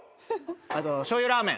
しょうゆラーメン。